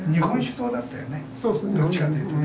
どっちかというとね。